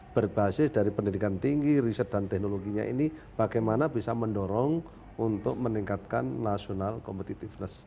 berbasis dari pendidikan tinggi riset dan teknologinya ini bagaimana bisa mendorong untuk meningkatkan national competitiveness